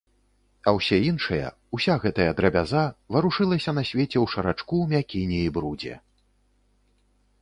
А ўсе іншыя, уся гэтая драбяза, варушылася на свеце ў шарачку, мякіне і брудзе.